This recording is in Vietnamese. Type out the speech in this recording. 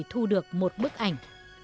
thu được một bức ảnh